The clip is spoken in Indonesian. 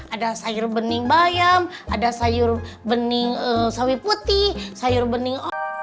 ada sayur bening bayam ada sayur bening sawi putih sayur bening